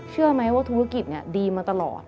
เชื่อไหมว่าธุรกิจดีมาตลอด